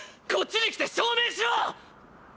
こっちに来て証明しろ！